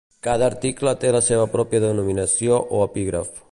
Cada article té la seva pròpia denominació o epígraf.